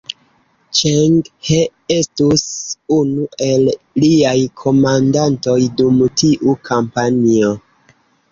Ĉeng He estus unu el liaj komandantoj dum tiu kampanjo.